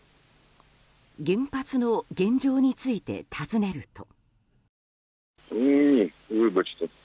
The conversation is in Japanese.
原発の現状について尋ねると。